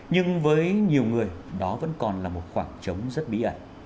nhưng với nhiều người đó vẫn còn là một khoảng trống rất bí ẩn